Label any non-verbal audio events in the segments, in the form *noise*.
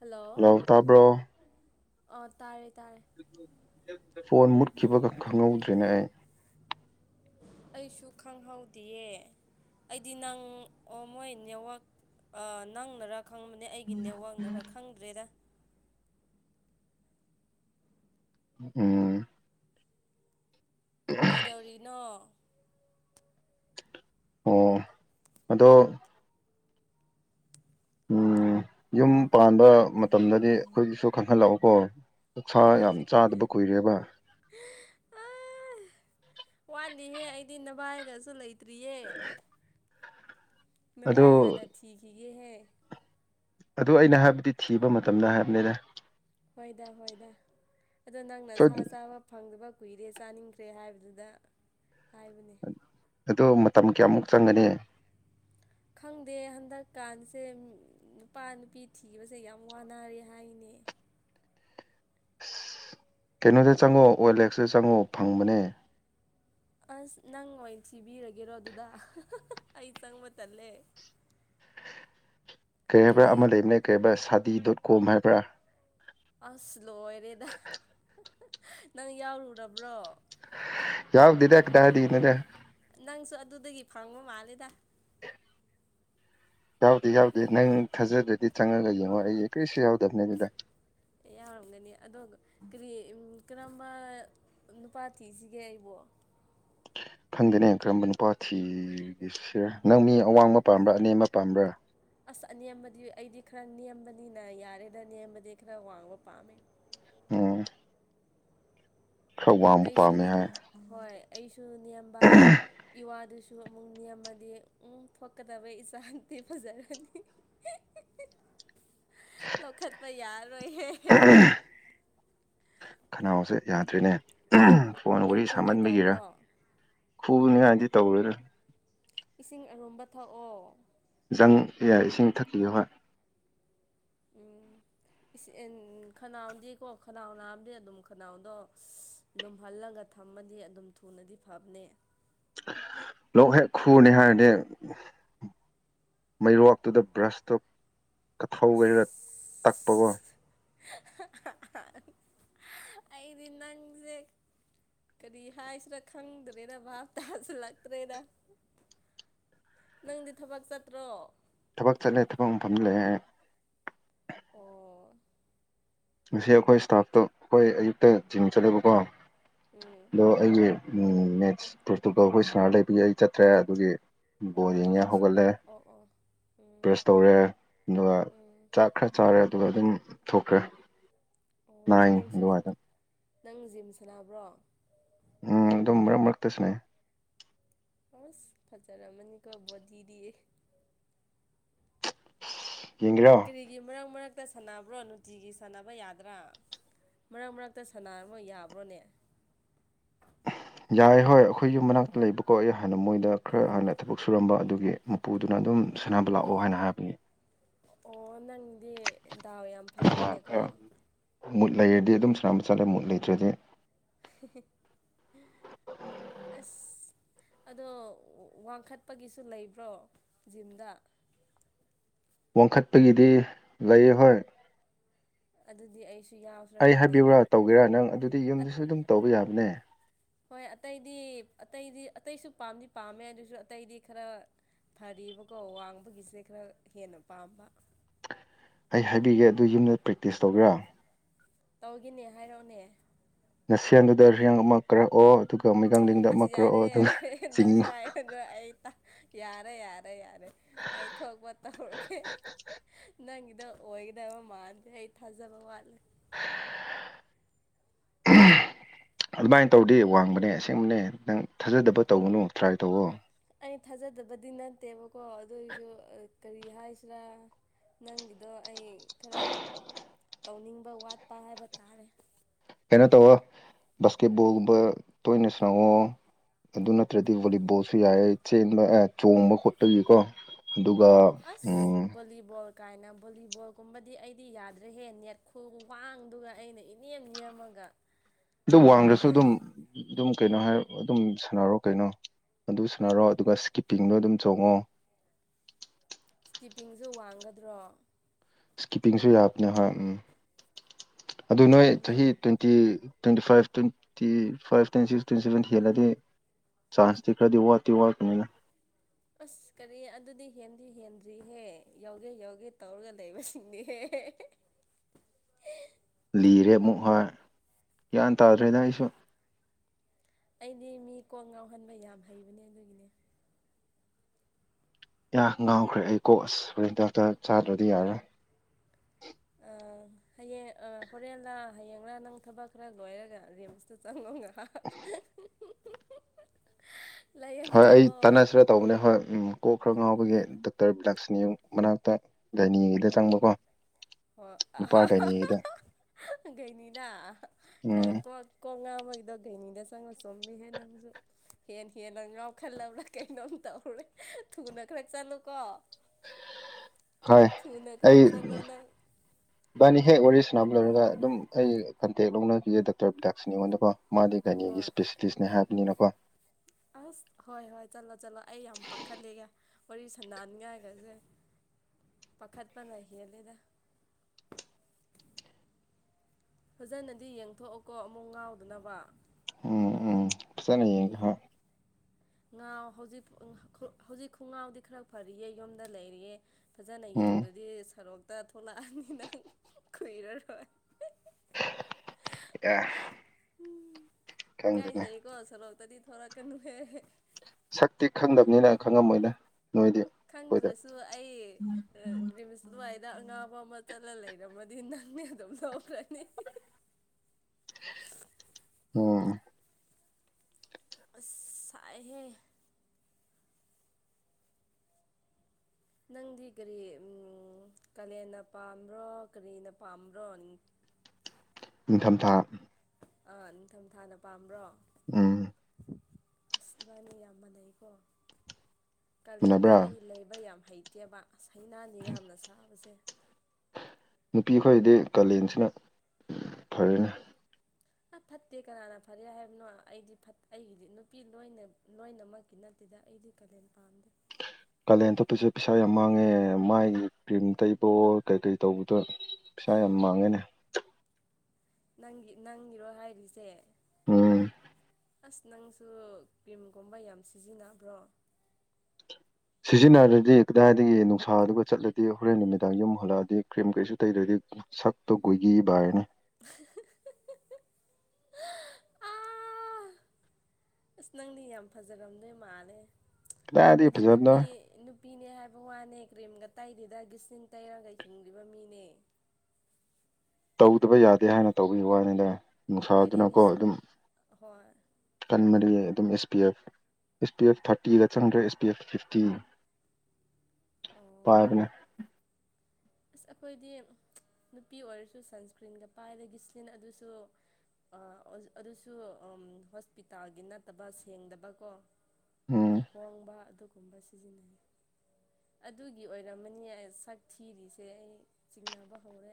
hello ꯑꯣ ꯇꯥꯔꯦ ꯇꯥꯔꯦ ꯐꯣꯟ ꯃꯨꯠꯈꯤꯕꯒ ꯈꯪꯍꯧꯗ꯭ꯔꯦꯅꯦ ꯑꯩ ꯑꯩꯁꯨ ꯈꯪꯍꯧꯗꯤꯌꯦ ꯑꯩꯗꯤ ꯅꯪ ꯃꯣꯏ ꯅꯦꯠꯋꯥꯛ ꯑ ꯅꯪꯅꯔ ꯈꯪꯕꯅꯦ ꯑꯩꯒꯤꯅꯦ ꯋꯥꯡꯅꯔ ꯈꯪꯗ꯭ꯔꯦꯗ ꯎꯝ ꯀꯩꯗꯧꯔꯤꯅꯣ ꯑꯣ ꯑꯗꯣ ꯎꯝ ꯌꯨꯝ ꯄꯥꯟꯕ ꯃꯇꯝꯗꯗꯤ ꯑꯈꯣꯏꯒꯤꯁꯨ ꯈꯪꯍꯜꯂꯛꯎꯀꯣ ꯑꯣꯛꯁꯥ ꯌꯥꯝ ꯆꯥꯗꯕ ꯀꯨꯏꯔꯦꯕ ꯋꯥꯠꯂꯤꯍꯦ ꯑꯩꯗꯤ ꯅꯕꯥꯏꯒꯁꯨ ꯂꯩꯇ꯭ꯔꯤꯌꯦ ꯑꯗꯣ ꯃꯕꯥꯏ ꯍꯥꯟꯅ ꯊꯤꯈꯤꯒꯦꯍꯦ ꯑꯗꯨ ꯑꯩꯅ ꯍꯥꯏꯕꯗꯤ ꯊꯤꯕ ꯃꯇꯝꯗ ꯍꯥꯏꯕꯅꯤꯗ ꯍꯣꯏꯗ ꯍꯣꯏꯗ ꯑꯗꯣ ꯅꯪꯅ ꯁꯣꯏ ꯁꯥ ꯆꯥꯕ ꯐꯪꯗꯕ ꯀꯨꯏꯔꯦ ꯆꯥꯅꯤꯡꯈ꯭ꯔꯦ ꯍꯥꯏꯕꯗꯨꯗ ꯍꯥꯏꯕꯅꯤ ꯑꯗꯣ ꯃꯇꯝ ꯀꯌꯥꯃꯨꯛ ꯆꯪꯒꯅꯤ ꯈꯪꯗꯦ ꯍꯟꯗꯛꯀꯥꯟꯁꯦ ꯅꯨꯄꯥ ꯅꯨꯄꯤ ꯊꯤꯕꯁꯦ ꯌꯥꯝ ꯋꯥꯅꯔꯦ ꯍꯥꯏꯅꯦ ꯀꯩꯅꯣꯗ ꯆꯪꯉꯣ ꯑꯣꯏꯜꯑꯦꯛꯁꯇ ꯆꯪꯉꯣ ꯐꯪꯕꯅꯦ ꯑꯁ ꯅꯪ ꯑꯣꯏꯟ ꯊꯕꯤꯔꯒꯦꯔꯣ ꯑꯗꯨꯗ ꯑꯩ ꯆꯪꯕ ꯇꯜꯂꯦ ꯀꯩ ꯍꯥꯏꯕ꯭ꯔꯥ ꯀꯔꯤ ꯑꯃ ꯂꯩꯕꯅꯦ ꯀꯩꯕꯥ ꯍꯥꯏꯕꯥ ꯁꯥꯗꯤ ꯗꯣꯠ ꯀꯣꯝ ꯍꯥꯏꯕ꯭ꯔꯥ ꯑꯁ ꯂꯣꯏꯔꯦꯗ ꯅꯪ ꯌꯥꯎꯔꯨꯔꯕ꯭ꯔꯣ ꯌꯥꯎꯗꯦꯗ ꯀꯗꯥꯏꯗꯒꯤꯅꯣꯗ ꯅꯪꯁꯨ ꯑꯗꯨꯗꯒꯤ ꯐꯪꯕ ꯃꯥꯜꯂꯦꯗ ꯌꯥꯎꯗꯦ ꯌꯥꯎꯗꯦ ꯅꯪ ꯊꯥꯖꯗ꯭ꯔꯗꯤ ꯆꯪꯉꯒ ꯌꯦꯡꯉꯣ ꯑꯩ ꯀꯔꯤꯁꯨ ꯌꯥꯎꯗꯕꯅꯦ ꯑꯗꯨꯗ ꯑꯦ ꯌꯥꯎꯔꯝꯒꯅꯤ ꯑꯗꯣ ꯀ꯭ꯔꯤ ꯎꯝ ꯀꯔꯝꯕ ꯅꯨꯄꯥ ꯊꯤꯁꯤꯒꯦ ꯑꯩꯕꯣ ꯈꯪꯗꯦꯅꯦ ꯀꯔꯝꯕ ꯅꯨꯄꯥ ꯊꯤꯒꯤꯁꯤꯔ ꯅꯪ ꯃꯤ ꯑꯋꯥꯡꯕ ꯄꯥꯝꯕ꯭ꯔꯥ ꯑꯅꯦꯝꯕ ꯄꯥꯝꯕ꯭ꯔꯥ ꯑꯁ ꯑꯅꯦꯝꯕꯗꯤ ꯑꯩꯗꯤ ꯈꯔ ꯅꯦꯝꯕꯅꯤꯅ ꯌꯥꯔꯦꯗ ꯅꯦꯝꯕꯗꯤ ꯈꯔ ꯋꯥꯡꯕ ꯄꯥꯝꯃꯦ ꯑꯣꯝ ꯄꯥꯝꯃꯦ ꯑꯩꯁꯨꯅꯦ ꯍꯥꯏ ꯍꯣꯏ ꯑꯩꯁꯨ ꯅꯦꯝꯕ ꯏꯋꯥꯗꯨꯁꯨ ꯑꯃꯨꯛ ꯅꯦꯝꯃꯗꯤ ꯎꯝ ꯊꯣꯛꯀꯗꯕ ꯏꯆꯥꯗꯨꯗꯤ ꯐꯖꯔꯅꯤ *inaudible* ꯂꯧꯈꯠꯄ ꯌꯥꯔꯔꯣꯏꯍꯦ ꯈꯅꯥꯎꯁꯦ ꯌꯥꯗ꯭ꯔꯦꯅꯦ ꯐꯣꯟ ꯂꯣꯛ ꯋꯥꯔꯤ ꯈꯨꯒꯦ ꯁꯥꯃꯟꯕꯒꯤꯔ ꯇꯧꯕ꯭ꯔꯣ ꯐꯨꯕꯅꯤ ꯍꯥꯏꯗꯤ ꯇꯧꯔꯦꯔ ꯏꯁꯤꯡ ꯑꯔꯨꯝꯕ ꯊꯛꯑꯣ ꯖꯪ ꯌꯥꯏ ꯏꯁꯤꯡ ꯊꯛꯄꯤꯌꯣ ꯍꯥꯏ ꯎꯝ ꯏꯁ ꯏꯟ ꯈꯅꯥꯎꯗꯤꯀꯣ ꯈꯅꯥꯎ ꯅꯥꯕꯗꯦ ꯑꯗꯨꯝ ꯈꯅꯥꯎꯗꯣ ꯂꯨꯝꯍꯜꯂꯒ ꯊꯝꯃꯗꯤ ꯑꯗꯨꯝ ꯊꯨꯅꯗꯤ ꯐꯕꯅꯦ ꯂꯣꯛ ꯍꯦꯛ ꯈꯨꯅꯤ ꯍꯥꯏꯔꯗ ꯃꯩꯔꯣꯛꯇꯨꯗ ꯕ꯭ꯔꯁꯇꯣ ꯀꯠꯊꯧꯒꯩꯔ ꯇꯛꯄꯒꯣ *inaudible* ꯑꯩꯗꯤ ꯅꯪꯖꯦ ꯀꯔꯤ ꯍꯥꯏꯁꯤꯔꯥ ꯈꯪꯗ꯭ꯔꯦꯗ ꯚꯥꯞ ꯇꯥꯁꯤꯜꯂꯛꯇ꯭ꯔꯦꯗ ꯅꯪꯗꯤ ꯊꯕꯛ ꯆꯠꯇ꯭ꯔꯣ ꯊꯕꯛ ꯆꯠꯂꯦ ꯊꯕꯛ ꯃꯐꯝꯗ ꯂꯩꯌ‌ꯦ ꯑꯣ ꯉꯁꯤ ꯑꯈꯣꯏ ꯁ꯭ꯇꯥꯐꯇꯣ ꯑꯈꯣꯏ ꯑꯌꯨꯛꯇ ꯖꯤꯝ ꯆꯠꯂꯦꯕꯀꯣ ꯎꯝ ꯑꯗꯣ ꯑꯩꯒꯤ ꯎꯝ ꯃꯦꯠꯁ ꯄꯣꯔꯇꯨꯒꯜꯈꯣꯏ ꯁꯅꯥꯔ ꯂꯩꯕꯒꯤ ꯑꯩ ꯆꯠꯇ꯭ꯔꯦ ꯑꯗꯨꯒꯤ ꯑꯣ ꯕꯣꯜ ꯑꯣ ꯌꯦꯡꯉ‌ꯩ ꯅꯪꯁꯨ ꯍꯧꯒꯠꯂꯦ ꯑꯣ ꯑꯣ ꯎꯝ ꯕ꯭ꯔꯁ ꯇꯧꯔꯦ ꯑꯗꯨꯒ ꯎꯝ ꯆꯥꯛ ꯈꯔ ꯆꯥꯔꯦ ꯑꯗꯨꯒ ꯑꯗꯨꯝ ꯊꯣꯛꯈ꯭ꯔꯦ ꯑꯣ ꯅꯥꯏꯟ ꯅꯪꯁꯨꯜ ꯑꯗꯨꯋꯥꯏꯗ ꯅꯪ ꯖꯤꯝ ꯁꯥꯟꯅꯕ꯭ꯔꯣ ꯎꯝ ꯑꯗꯨꯝ ꯃꯔꯛ ꯃꯔꯛꯇ ꯁꯅꯩ ꯍꯣꯁ ꯐꯖꯔꯃꯅꯤꯀꫭ ꯕꯣꯗꯤꯗꯤ ꯌꯦꯡꯒ‌ꯦꯔꫭ ꯀꯩꯒꯤ ꯃꯔꯛ ꯃꯔꯛꯇ ꯁꯥꯟꯅꯕ꯭ꯔꯣ ꯅꯨꯡꯇꯤꯒꯤ ꯁꯥꯟꯅꯕ ꯌꯥꯗ꯭ꯔꯥ ꯃꯔꯛ ꯃꯔꯛꯇ ꯁꯅꯥꯔ ꯌꯥꯕ꯭ꯔꯣꯅꯦ ꯌꯥꯏ ꯍꯣꯏ ꯑꯩꯈꯣꯏ ꯌꯨꯝ ꯃꯅꯥꯛꯇ ꯂꯩꯕꯀꯣ ꯑꯩ ꯍꯥꯟꯅ ꯃꯣꯏꯗ ꯈꯔ ꯍꯥꯟꯅ ꯊꯕꯛ ꯁꯨꯔꯝꯕ ꯑꯗꯨꯒꯤ ꯃꯄꯨꯗꯨꯅ ꯑꯣ ꯑꯗꯨꯝ ꯑꯣ ꯑꯣ ꯁꯥꯟꯅꯕ ꯂꯥꯛꯑꯣ ꯍꯥꯏꯅ ꯍꯥꯏꯕꯅꯤ ꯑꯣ ꯅꯪꯗꯤ ꯗꯥꯎ ꯌꯥꯝ ꯐꯔꯤꯅꯦꯀꯣ ꯈꯔ ꯃꯨꯠ ꯂꯩꯔꯗꯤ ꯑꯗꯨꯝ ꯁꯅꯥꯕ ꯆꯠꯂꯦ ꯃꯨꯠ ꯂꯩꯇ꯭ꯔꯗꯤ *unintelligible* ꯑꯁ ꯑꯗꯣ ꯋꯥꯡꯈꯠꯄꯒꯤꯁꯨ ꯂꯩꯕ꯭ꯔꯣ ꯖꯤꯝꯗ ꯋꯥꯡꯈꯠꯄꯒꯤꯗꯤ ꯂꯩꯌ‌ꯦ ꯍꯣꯏ ꯑꯗꯨꯗꯤ ꯑꯩꯁꯨ ꯌꯥꯎꯁꯤꯔꯥ ꯑꯩ ꯈꯪꯗꯦ ꯍꯥꯏꯕꯤꯌꯨꯔ ꯇꯧꯒꯦꯔꯥ ꯅꯪ ꯑꯗꯨꯗꯤ ꯌꯨꯝꯗꯁꯨ ꯑꯗꯨꯝ ꯇꯧꯕ ꯌꯥꯕꯅꯦ ꯍꯣꯏ ꯑꯇꯩꯗꯤ ꯑꯇꯩꯗꯤ ꯑꯇꯩꯁꯨ ꯄꯥꯝꯗꯤ ꯄꯥꯝꯃꯦ ꯑꯗꯨꯁꯨ ꯑꯇꯩꯗꯤ ꯈꯔ ꯐꯔꯤꯕꯀꯣ ꯋꯥꯡꯕꯒꯤꯁꯦ ꯈꯔ ꯍꯦꯟꯅ ꯄꯥꯝꯕ ꯑꯩ ꯍꯥꯏꯕꯤꯒꯦ ꯑꯗꯨ ꯌꯨꯝꯗ ꯄ꯭ꯔꯦꯛꯇꯤꯁ ꯇꯧꯒꯦꯔꯥ ꯇꯧꯒꯤꯅꯦ ꯍꯥꯏꯔꯧꯅꯦ ꯅꯁꯦꯟꯗꯨꯗ ꯌ‌ꯦꯡ ꯑꯃ ꯀꯥꯔꯛꯑꯣ ꯑꯗꯨꯒ ꯃꯩꯒ ꯂꯡꯗ ꯑꯃ ꯀꯥꯔꯛꯑꯣ ꯑꯗꯨꯅ ꯆꯤꯡꯉꯨ ꯑꯗꯨ ꯑꯩꯇ ꯌꯥꯔꯦ ꯌꯥꯔꯦ ꯌꯥꯔꯦ ꯑꯩ ꯊꯣꯛꯄ ꯇꯧꯔꯒꯦ ꯅꯪꯒꯤꯗꯣ ꯑꯣꯏꯒꯗꯕ ꯃꯥꯥꯟꯗꯦ ꯑꯩ ꯊꯥꯖꯕ ꯋꯥꯠꯂꯦ ꯎꯝ *unintelligible* ꯑꯗꯨꯃꯥꯏꯅ ꯇꯧꯔꯗꯤ ꯋꯥꯡꯕꯅꯦ ꯑꯁꯦꯡꯕꯅꯦ ꯅꯪ ꯊꯥꯖꯗꯕ ꯇꯧꯒꯅꯨ ꯇ꯭ꯔꯥꯏ ꯇꯧꯋꫭ ꯑꯩ ꯊꯥꯖꯗꯕꯗꯤ ꯅꯠꯇꯦꯕꯀꯣ ꯑꯗꯨꯑꫭꯏꯁꯨ ꯑꯩ ꯀꯔꯤ ꯍꯥꯏꯁꯤꯔꯥ ꯅꯪꯒꯤꯗꯣ ꯑꯩ ꯈꯔ ꯇꯧꯅꯤꯡꯕ ꯋꯥꯠꯄ ꯍꯥꯏꯕ ꯇꯥꯔꯦ ꯀꯩꯅꯣ ꯇꯧꯋꫭ ꯕꯥꯁꯀꯦꯠ ꯕꯣꯜꯒꯨꯝꯕ ꯇꯣꯏꯅ ꯁꯅꯧꯑꯣ ꯑꯗꯨ ꯅꯠꯇ꯭ꯔꯗꯤ ꯚꯣꯂꯤꯕꯣꯜꯁꯨ ꯌꯥꯏꯑ‌ꯦ ꯆꯦꯟꯕ ꯑꯥ ꯆꯣꯡꯕ ꯈꯣꯠꯄꯒꯤꯀꯣ ꯑꯗꯨꯒ ꯎꯝ ꯕꫭꯂꯤꯕꯣꯜ ꯀꯥꯏꯅ ꯕꯣꯂꯤꯕꯣꯜꯒꯨꯝꯕꯗꯤ ꯑꯩꯗꯤ ꯌꯥꯗ꯭ꯔꯦꯍꯦ ꯅꯦꯠ ꯈꯨꯋꯥꯡꯗꯨꯒ ꯑꯩꯅ ꯏꯅꯦꯝ ꯅꯦꯝꯃꯒ ꯑꯗꯨ ꯋꯥꯡꯗꯁꯨ ꯑꯗꯨꯝ ꯏꯀꯥꯏꯖꯩ ꯑꯗꯨꯝ ꯀꯩꯅꯣ ꯍꯥꯏ ꯑꯗꯨꯝ ꯁꯥꯟꯅꯔꯣ ꯀꯩꯅꯣ ꯑꯗꯨ ꯁꯨꯅꯔꯣ ꯑꯗꯨꯒ ꯁ꯭ꯀꯤꯞꯄꯤꯡꯗꯣ ꯑꯗꯨꯝ ꯆꯣꯡꯉꯣ ꯁꯇꯤꯞꯄꯤꯡꯁꯨ ꯋꯥꯡꯒꯗ꯭ꯔꯣ ꯁ꯭ꯀꯤꯞꯄꯤꯡꯁꯨ ꯌꯥꯕꯅꯦ ꯍꯣꯏ ꯎꯝ ꯑꯗꯨ ꯅꯣꯏ ꯅꯪ ꯆꯍꯤ ꯇ꯭ꯣꯋ ꯇꯤ twenty five twenty five twenty six twenty seven ꯍꯦꯜꯂꯗꯤ ꯆꯥꯟꯁꯇꯤ ꯈꯔꯗꯤ ꯋꯥꯠꯇꯤ ꯋꯥꯠꯅꯤ ꯑꯁ ꯀꯔꯤ ꯑꯗꯨꯗꯤ ꯍꯦꯟꯗꯤ ꯍꯦꯟꯗ꯭ꯔꯤꯍꯦ ꯌꯥꯎꯒꯦ ꯌꯧꯒꯦ ꯇꯧꯔꯒ ꯂꯩꯕꯁꯤꯡꯅꯤꯍꯦ ꯂꯤꯔꯦ ꯑꯃꯨꯛ ꯍꯥꯏ ꯒ꯭ꯌꯥꯟ ꯇꯥꯗ꯭ꯔꯦꯗ ꯑꯩꯁꯨ ꯑꯩꯗꯤ ꯃꯤ ꯀꯣꯛ ꯉꯥꯎꯍꯟꯕ ꯌꯥꯝ ꯍꯩꯕꯅꯦ ꯑꯗꯨꯒꯤꯅꯦ ꯌꯥ ꯉꯥꯎꯈ꯭ꯔꯦ ꯑꯩ ꯀꯣꯛ ꯑꯁ ꯍꯣꯔꯦꯟ ꯍꯤꯗꯥꯛꯇ ꯆꯥꯗ꯭ꯔꯗꯤ ꯌꯥꯔꯣꯏ ꯑ ꯍꯌꯦꯡ ꯑ ꯍꯣꯔꯦꯟꯂꯥ ꯍꯌꯦꯡꯂꯥ ꯅꯪ ꯊꯕꯛ ꯈꯔ ꯂꯣꯏꯔꯒ ꯔꯤꯝꯁꯇ ꯆꯪꯉꯣ ꯉꯛ ꯍꯥꯛ *unintelligible* ꯍꯣꯏ ꯑꯩ ꯇꯥꯟꯅꯁꯤꯔ ꯇꯧꯕꯅꯦ ꯍꯣꯏ ꯎꯝ ꯀꯣꯛ ꯈꯔ ꯉꯥꯎꯕꯒꯤ ꯗꯥꯛꯇꯔ ꯕꯤꯂꯛꯁꯤꯅꯤ ꯃꯅꯥꯛꯇ ꯒꯩꯅꯤꯒꯤꯗ ꯎꯝ ꯆꯪꯕꯀꯣ ꯍꯣꯏ ꯅꯨꯄꯥ ꯒꯩꯅꯤꯒꯤꯗ ꯒꯩꯅꯤꯗ ꯎꯝ ꯑꯪ ꯀꯣꯛ ꯀꯣꯛ ꯉꯥꯎꯕꯩꯗꯣ ꯒꯩꯅꯤꯗ ꯆꯪꯉꯨꯆꯣꯃꯤꯍꯦ ꯅꯪꯁꯨ ꯍꯦꯟ ꯍꯦꯟꯅ ꯉꯥꯎꯈꯜꯂꯕ꯭ꯔꯥ ꯀꯩꯅꯣꯝ ꯇꯧꯔꯦ ꯊꯨꯅ ꯈꯔ ꯆꯠꯂꯨꯀꯣ ꯍꯣꯏ ꯊꯨꯅ ꯈꯔ ꯑꯩ ꯆꯠꯂꯣ ꯅꯪ ꯢꯕꯥꯏꯅꯤ ꯍꯦꯛ ꯋꯥꯔꯤ ꯁꯥꯟꯅꯕ ꯂꯣꯏꯔꯒ ꯑꯗꯨꯝ ꯑꯩ ꯀꯟꯇꯦꯛ ꯂꯧꯅꯈꯤꯒꯦ ꯗꯥꯛꯇꯔ ꯕꯤꯗꯥꯛꯁ ꯉꯣꯟꯗꯀꯣ ꯃꯥꯗꯤ ꯃꯥꯗꯤ ꯒꯩꯅꯤꯒꯤ ꯍꯣꯏ ꯏꯁꯄꯦꯁꯤꯂꯤꯁꯅꯦ ꯍꯥꯏꯕꯅꯤꯅꯀꯣ ꯑꯁ ꯍꯣꯏ ꯍꯣꯏ ꯆꯠꯂꯣ ꯆꯠꯂꯣ ꯑꯩ ꯌꯥꯝ ꯄꯥꯈꯠꯂꯦ ꯋꯥꯔꯤ ꯁꯅꯥꯅꯤꯡꯉꯥꯏꯒꯁꯦ ꯄꯥꯈꯠꯄꯅ ꯍꯦꯜꯂꯦꯗ ꯐꯖꯅꯗꯤ ꯌꯦꯡꯊꯣꯛꯑꯣꯀꯣ ꯑꯃꯨꯛ ꯉꯥꯎꯗꯅꯕ ꯎꯝ ꯎꯝ ꯐꯖꯅ ꯌꯦꯡ ꯊꯣꯏ ꯉꯥꯎ ꯍꯧꯖꯤꯛ ꯍꯧꯖꯤꯛ ꯈꯨꯡꯉꯥꯎꯗꯤ ꯈꯔ ꯐꯔꯤꯌꯦ ꯌꯨꯝꯗ ꯂꯩꯔꯤꯌꯦ ꯐꯖꯅ ꯎꯝ ꯌꯦꯡꯗꯗꯤ ꯁꯣꯔꯣꯛꯇ ꯊꯣꯛꯂꯛꯑꯅꯤ ꯅꯪ ꯀꯨꯏꯔꯔꯣꯏ ꯑꯦ ꯈꯪꯗꯦꯅꯦ ꯑꯗꯣ ꯁꯣꯂꯣꯛꯇꯗꯤ ꯊꯣꯔꯛ ꯀꯅꯨꯍꯦ ꯁꯛꯇꯤ ꯈꯪꯗꯕꯅꯤꯅ ꯈꯪꯉꯝꯃꯣꯏꯗ ꯅꯣꯏꯗꯤ ꯑꯩꯈꯣꯏꯗ ꯈꯪꯗ꯭ꯔꯁꯨ ꯑꯩ ꯔꯤꯝꯁ ꯑꯗꯨꯋꯥꯏꯗ ꯑꯉꯥꯎꯕ ꯑꯃ ꯆꯠꯂ ꯂꯩꯔꯝꯃꯗꯤ ꯅꯪꯅꯤ ꯑꯗꯨꯝ ꯂꯧꯒꯔꯅꯤ ꯎꯝ ꯑꯁ ꯁꯥꯏꯍꯦ ꯅꯪꯗꯤ ꯀꯔꯤ ꯎꯝ ꯀꯥꯂꯦꯟꯅ ꯄꯥꯝꯕ꯭ꯔꯣ ꯀꯔꯤꯅ ꯄꯥꯝꯕ꯭ꯔꯣ ꯅꯤꯡꯊꯝꯊꯥ ꯑꯥ ꯅꯤꯡꯊꯝꯊꯥꯅ ꯄꯥꯝꯕ꯭ꯔꯣ ꯎꯝ ꯑꯁ ꯏꯕꯥꯅꯤ ꯌꯥꯝ ꯃꯅꯩꯀꯣ ꯀꯥꯂꯦꯟꯗꯤ ꯃꯨꯟꯅꯕ꯭ꯔꯥ ꯑꯩ ꯂꯩꯕ ꯌꯥꯝ ꯍꯩ ꯇꯦꯕꯥ ꯑꯁ ꯍꯩꯅꯗꯦ ꯌꯥꯝꯅ ꯁꯥꯕꯁꯦ ꯅꯨꯄꯤ ꯈꯣꯏꯗꯤ ꯀꯥꯂꯦꯟꯁꯤꯅ ꯐꯔꯦꯅꯦ ꯑ ꯐꯠꯇꯦ ꯀꯅꯥꯅ ꯐꯔꯦ ꯍꯥꯏꯕꯅꯣ ꯑꯩꯗꯤ ꯐꯠ ꯑꯩꯒꯤꯗꯤ ꯅꯨꯄꯤ ꯂꯣꯏꯅ ꯂꯣꯏꯅꯃꯛꯀꯤ ꯅꯠꯇꯦꯗ ꯑꯩꯗꯤ ꯀꯥꯂꯦꯟ ꯄꯥꯝꯗꯦ ꯀꯥꯂꯦꯟ ꯊꯣꯛꯄꯤꯁꯦ ꯄꯩꯁꯥ ꯌꯥꯝ ꯃꯥꯡꯉꯦ ꯃꯥꯥꯏꯒꯤ ꯀ꯭ꯔꯤꯝ ꯇꯩꯕꯋꯣ ꯀꯩ ꯀꯩ ꯇꯧꯕꯗꯣ ꯄꯩꯁꯥ ꯌꯥꯝ ꯃꯥꯡꯉꯦꯅꯦ ꯅꯪꯒꯤ ꯅꯪꯒꯤꯔꯣ ꯍꯥꯏꯔꯤꯁꯦ ꯎꯝ ꯑꯁ ꯅꯪꯁꯨ ꯀ꯭ꯔꯤꯝꯒꯨꯝꯕ ꯌꯥꯝ ꯁꯤꯖꯤꯟꯅꯕ꯭ꯔꯣ ꯁꯤꯖꯤꯟꯅꯔꯗꯤ ꯀꯗꯥꯏꯗꯒꯤ ꯅꯨꯡꯁꯥꯗꯨ ꯆꯠꯂꯗꯤ ꯍꯣꯔꯦꯟ ꯅꯨꯃꯤꯗꯥꯡ ꯌꯨꯝ ꯍꯜꯂꯛꯑꯗꯤ ꯀ꯭ꯔꯤꯝ ꯀꯩꯁꯨ ꯇꯩꯗ꯭ꯔꯗꯤ ꯁꯛꯇꯣ ꯀꯣꯏꯒꯤ ꯕꯥꯔꯅꯤ *unintelligible* ꯑꯁ ꯅꯪꯗꯤ ꯌꯥꯝ ꯐꯖꯔꯝꯗꯣꯏ ꯃꯥꯜꯂꯦ ꯀꯗꯥꯏꯗꯒꯤ ꯑꯩꯈꯣꯏꯗꯤ ꯐꯖꯕꯅꯣ ꯅꯨꯄꯤ ꯅꯨꯄꯤꯅꯦ ꯍꯥꯏꯕ ꯋꯥꯅꯦ ꯀ꯭ꯔꯤꯝꯒ ꯇꯩꯗꯦꯗ ꯒꯤꯁꯤꯔꯤꯟ ꯇꯩꯔꯒ ꯍꯤꯡꯔꯤꯕ ꯃꯤꯅꯦ ꯇꯧꯗꯕ ꯌꯥꯗꯦ ꯍꯥꯏꯅ ꯇꯧꯕꯒꯤ ꯋꯥꯅꯤꯗ ꯑꯩꯈꯣꯏꯗꯤ ꯅꯨꯡꯁꯥꯗꯨꯅꯀꯣ ꯒꯤꯁ ꯑꯗꯨꯝ ꯍꯣꯏ ꯀꯟ ꯃꯔꯤ ꯑꯗꯨꯝ S P F S P F ꯊꯥꯔꯇꯤꯒ ꯆꯪꯗ꯭ꯔꯦ ꯑꯦꯁ ꯄꯤ ꯑꯦꯐ ꯐꯤꯐꯇꯤ ꯑꯣ ꯄꯥꯏꯕꯅꯦ ꯑꯁ ꯑꯩꯈꯣꯏꯗꯤ ꯅꯨꯄꯤ ꯑꯣꯏꯔꯁꯨ ꯁꯟꯁꯀ꯭ꯔꯤꯟꯒ ꯄꯥꯏ ꯑꯗꯒꯤ ꯒꯤꯜꯁꯂꯤꯟ ꯑꯗꯨꯁꯨ ꯑ ꯑꯗꯨꯁꯨ ꯑꯝ ꯍꯣꯁꯄꯤꯇꯥꯜꯒꯤ ꯅꯠꯇꯕ ꯁꯦꯡꯗꯕꯀꯣ ꯎꯝ ꯈꯣꯡꯕ ꯑꯗꯨ ꯒꯨꯝꯕ ꯁꯤꯖꯤꯟꯅꯩ ꯑꯗꯨꯒꯤ ꯑꯣꯏꯔꯝꯃꯅꯤ ꯑꯩ ꯁꯛ ꯊꯤꯔꯤꯁꯤ ꯗꯦ ꯑꯩ ꯆꯤꯡꯅꯕ ꯍꯧꯔꯦ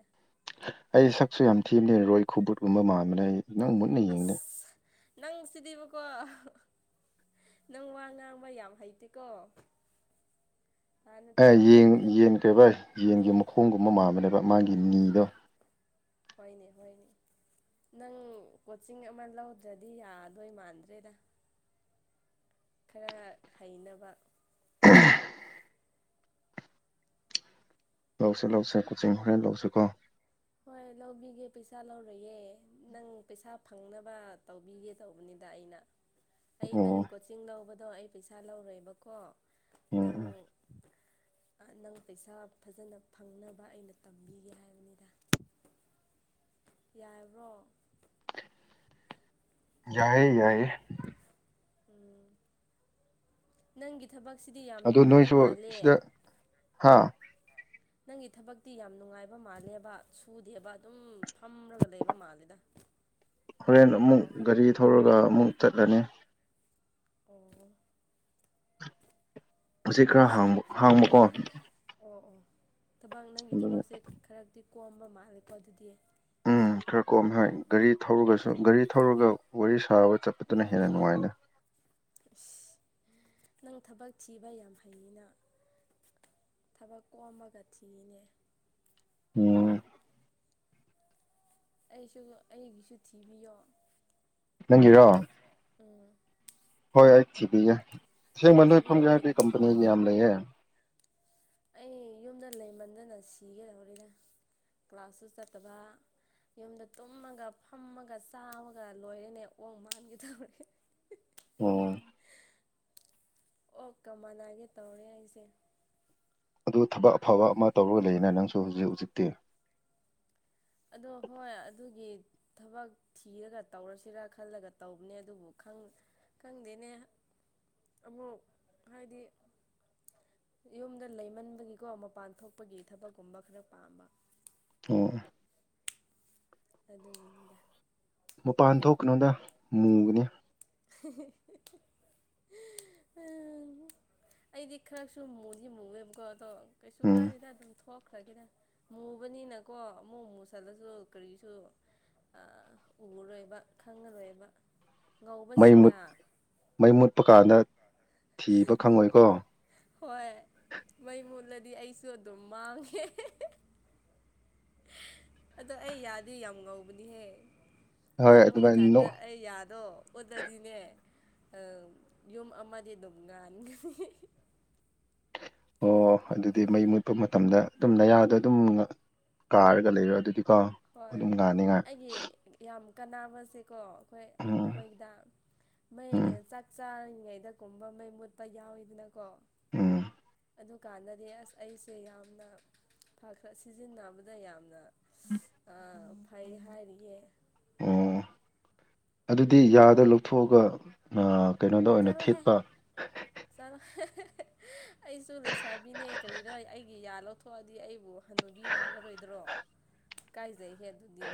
ꯑꯩ ꯁꯛꯁꯨ ꯌꯥꯝ ꯊꯤꯕꯅꯦ ꯔꯣꯏ ꯈꯨꯕꯨꯠꯀꯨꯝꯕ ꯃꯥꯟꯕꯅꯦ ꯑꯩ ꯅꯪꯕꯨꯅꯦ ꯑꯁ ꯅꯪ ꯁꯤꯗꯤꯕꯀꯣ *unintelligible* ꯅꯪ ꯋꯥ ꯉꯥꯡꯕ ꯌꯥꯝ ꯍꯩꯇꯦꯀꯣ ꯍꯥꯟꯅ ꯇꯝ ꯑꯩꯉꯣꯟꯗ ꯀꯦ ꯚꯥꯏ ꯌꯦꯟꯒꯤ ꯃꯈꯣꯡꯒꯨꯝꯕ ꯃꯥꯥꯟꯕꯅꯦꯕ ꯃꯥꯒꯤ ꯅꯤꯗꯣ ꯍꯣꯏꯅꯦ ꯍꯣꯏꯅꯦ ꯅꯪ ꯀꯣꯆꯤꯡ ꯑꯃ ꯂꯧꯗ꯭ꯔꯗꯤ ꯌꯥꯗꯣꯏ ꯃꯥꯟꯗ꯭ꯔꯦꯗ ꯈꯔ ꯍꯩꯅꯕ ꯂꯧꯁꯦ ꯂꯧꯁꯦ ꯀꯣꯆꯤꯡ ꯍꯣꯔꯦꯟ ꯂꯧꯁꯤ ꯀꯣ ꯍꯣꯏ ꯂꯧꯕꯤꯒꯦ ꯄꯩꯁꯥ ꯂꯧꯔꯣꯏꯌꯦ ꯅꯪ ꯄꯩꯁꯥ ꯐꯪꯅꯕ ꯇꯧꯕꯤꯒꯦ ꯇꯧꯕꯅꯤꯗꯥ ꯑꯩꯅ *inaudible* ꯑꯩ ꯅꯪꯒꯤ ꯀꯣꯆꯤꯡ ꯂꯧꯕꯗꯣ ꯑꯩ ꯄꯩꯁꯥ ꯂꯧꯔꯣꯏꯕꯀꯣ ꯎꯝ ꯅꯪ ꯎꯝ ꯅꯪ ꯄꯩꯁꯥ ꯐꯖꯅ ꯐꯪꯅꯕ ꯑꯩꯅ ꯇꯝꯕꯤꯒꯦ ꯍꯥꯏꯕꯅꯤꯗꯥ ꯌꯥꯏꯕ꯭ꯔꯣ ꯌꯥꯏꯌꯦ ꯌꯥꯏꯌꯦ ꯇꯦ ꯎꯝ ꯅꯪꯒꯤ ꯊꯕꯛꯁꯤꯗꯤ ꯌꯥꯝ ꯅꯨꯡꯉꯥꯏꯕ ꯃꯥꯜꯂꯦ ꯍꯥꯥ ꯅꯪꯒꯤ ꯊꯕꯛꯇꯤ ꯌꯥꯝ ꯅꯨꯡꯉꯥꯏꯕ ꯃꯥꯜꯂꯦꯕ ꯁꯨꯗꯦꯕ ꯑꯗꯨꯝ ꯐꯝꯔꯒ ꯂꯩꯕ ꯃꯥꯜꯂꯦꯗ ꯍꯣꯔꯦꯟ ꯀꯣ ꯑꯃꯨꯛ ꯒꯥꯔꯤ ꯊꯧꯔꯒ ꯑꯃꯨꯛ ꯆꯠꯂꯅꯤ ꯑꯣ ꯍꯨꯖꯤꯛ ꯈꯔ ꯍꯥꯡꯕ ꯍꯥꯡꯕꯀꯣ ꯑꯣ ꯑꯣ ꯊꯕꯛ ꯅꯪꯒꯤ ꯑꯗꯨꯒꯤ ꯊꯕꯛꯁꯦ ꯈꯔꯗꯤ ꯀꯣꯝꯕ ꯃꯥꯜꯂꯦꯀꯣ ꯑꯗꯨꯗꯤ ꯎꯝ ꯈꯔ ꯀꯣꯝ ꯍꯣꯢ ꯒꯥꯔꯤ ꯊꯧꯔꯒꯁꯨ ꯒꯥꯔꯤ ꯊꯧꯔꯒ ꯋꯥꯔꯤ ꯁꯥꯔ ꯆꯠꯄꯗꯨꯅ ꯍꯦꯟꯅ ꯅꯨꯡꯉꯥꯏꯗ ꯢꯁ ꯅꯪ ꯊꯕꯛ ꯊꯤꯕ ꯌꯥꯝ ꯍꯩꯌꯦꯅꯥ ꯊꯕꯛ ꯀꯣꯝꯕꯒ ꯊꯤꯌꯦꯅꯦ ꯎꯝ ꯑꯩꯁꯨ ꯑꯩꯒꯤꯁꯨ ꯊꯤꯕꯤꯌꯣ ꯅꯪꯒꯤꯔꯣ ꯎꯝ ꯍꯣꯏ ꯑꯩ ꯊꯤꯕꯤꯒꯦ ꯑꯁꯦꯡꯕ ꯅꯣꯏ ꯐꯝꯒꯦ ꯊꯤꯕꯤꯌꯣ ꯍꯥꯏꯔꯗꯤ ꯀꯝꯄꯅꯤꯒꯤ ꯌꯥꯝ ꯂꯩꯌꯦ ꯑꯩ ꯌꯨꯝꯗ ꯂꯩꯃꯟꯗꯅ ꯁꯤꯒꯗꯧꯔꯤꯗ ꯀ꯭ꯂꯥꯁꯁꯨ ꯆꯠꯇꯕ ꯌꯨꯝꯗ ꯇꯨꯝꯃꯒ ꯐꯝꯃꯒ ꯆꯥꯕꯒ ꯂꯣꯏꯔꯦꯅꯦ ꯑꯣꯛ ꯃꯥꯟꯒꯗꯧꯔꯦ ꯎꯝ ꯑꯣꯛꯀ ꯃꯥꯅꯒꯦ ꯇꯧꯔꯦ ꯑꯩꯁꯦ ꯑꯗꯨ ꯊꯕꯛ ꯑꯐꯕ ꯑꯃ ꯇꯧꯔꯒ ꯂꯩꯌꯦꯅ ꯅꯪꯁꯨ ꯍꯧꯖꯤꯛ ꯍꯧꯖꯤꯛꯇꯤ ꯑꯗꯣ ꯍꯣꯏ ꯑꯗꯨꯒꯤ ꯊꯕꯛ ꯊꯤꯔꯒ ꯇꯧꯔꯁꯤꯔ ꯈꯜꯂꯒ ꯇꯧꯕꯅꯦ ꯑꯗꯨꯕꯨ ꯈꯪ ꯈꯪꯗꯦꯅꯦ ꯑꯃꯨꯛ ꯍꯥꯏꯗꯤ ꯌꯨꯝꯗ ꯂꯩꯃꯟꯕꯒꯤꯀꯣ ꯃꯄꯥꯟ ꯊꯣꯛꯄꯒꯤ ꯊꯕꯛꯀꯨꯝꯕ ꯈꯔ ꯄꯥꯝꯕ ꯑꯣ ꯑꯗꯨꯒꯤꯅꯤꯗ ꯃꯄꯥꯟ ꯊꯣꯛꯀꯅꯣꯗ ꯃꯨꯒꯅꯤ *unintelligible* ꯑ.. ꯑꯪ ꯑꯩꯗꯤ ꯈꯔꯁꯨ ꯃꯨꯗꯤ ꯃꯨꯌꯦꯕꯀꯣ ꯑꯗꯣ ꯀꯩꯁꯨ ꯎꯝ ꯀꯥꯏꯗꯦꯗ ꯑꯗꯨꯝ ꯊꯣꯛꯈ꯭ꯔꯒꯦꯗ ꯃꯨꯕꯅꯤꯅꯀꯣ ꯑꯃꯨꯛ ꯃꯨꯁꯜꯂꯁꯨ ꯀꯔꯤꯁꯨ ꯑ ꯎꯔꯣꯏꯕ ꯈꯪꯉꯔꯣꯏꯕ ꯉꯧ ꯃꯩ ꯃꯨꯠ ꯃꯩ ꯃꯨꯠꯄ ꯀꯥꯟꯗ ꯊꯤꯕ ꯈꯪꯉꯣꯏꯀꯣ ꯍꯣꯏ ꯃꯩ ꯃꯨꯠꯂꯗꯤ ꯑꯩꯁꯨ ꯑꯗꯨꯝ ꯃꯥꯡꯉꯦ ꯑꯗꯣ ꯑꯩ ꯌꯥꯗꯤ ꯌꯥꯝ ꯉꯧꯕꯅꯤꯍꯦ ꯍꯣꯏ ꯃꯩ ꯑꯗꯨꯃꯥꯏꯅ ꯅꯣ ꯃꯨꯠꯂꯀꯥꯟꯗ ꯑꯩ ꯌꯥꯗꯣ ꯑꯣꯗꯗꯤꯅꯦ ꯑ ꯌꯨꯝ ꯑꯃꯗꯤ ꯑꯗꯨꯝ ꯉꯥꯟꯒꯅꯤ ꯑꯣ ꯑꯗꯨꯗꯤ ꯃꯩ ꯃꯨꯠꯄ ꯃꯇꯝꯗ ꯇꯨꯝ ꯅꯌꯥꯗꯣ ꯑꯗꯨꯝ ꯉ ꯀꯥꯔꯒ ꯂꯩꯔꯣ ꯑꯗꯨꯗꯤ ꯀꯣ ꯍꯣꯏ ꯑꯩꯒꯤ ꯌꯥꯝ ꯀꯥꯟꯅꯕꯁꯦꯀꯣ ꯈꯣꯏ ꯎꯝ ꯑꯩꯈꯣꯏꯒꯤꯗ ꯃꯩ ꯎꯝ ꯑꯦ ꯆꯥꯛ ꯆꯥꯔꯤꯉꯩꯗ ꯀꯨꯝꯕ ꯃꯩ ꯃꯨꯠꯄ ꯌꯥꯎꯋꯤꯗꯅꯀꯣ ꯎꯝ ꯑꯗꯨꯀꯥꯟꯗꯗꯤ ꯑꯁ ꯑꯩꯁꯦ ꯌꯥꯝꯅ ꯐꯈꯔ ꯁꯤꯖꯤꯟꯅꯕꯗ ꯌꯥꯝꯅ ꯏꯁ.. ꯑ ꯐꯩ ꯍꯥꯏꯔꯤꯌꯦ ꯑꯣ ꯑꯗꯨꯗꯤ ꯌꯥꯗ ꯂꯧꯊꯣꯛꯑꯒ ꯑ ꯀꯩꯅꯣꯗ ꯑꯣꯏꯅ ꯊꯦꯠꯄ ꯆꯂꯣ ꯑꯩꯁꯨ ꯂꯩꯁꯥꯕꯤꯅꯦ ꯀꯔꯤꯔꯣꯏ ꯑꯩꯒꯤ ꯌꯥ ꯂꯧꯊꯣ ꯊꯣꯑꯗꯤ ꯑꯩꯕꯨ ꯍꯟꯅꯨꯕꯤ ꯃꯥꯜꯂꯔꯣꯏꯗ꯭ꯔꯣ ꯀꯥꯏꯖꯩꯍꯦ ꯑꯗꯨꯗꯤ ꯑꯩ